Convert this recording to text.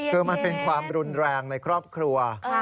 คือมันเป็นความรุนแรงในครอบครัว